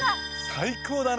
最高だね。